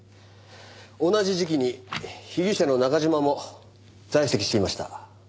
同じ時期に被疑者の中嶋も在籍していました。